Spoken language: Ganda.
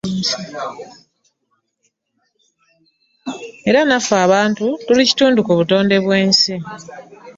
Era nnaffe abantu tuli kitundu ku butonde bwensi.